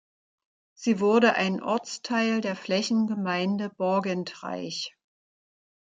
Sie wurde ein Ortsteil der Flächengemeinde Borgentreich.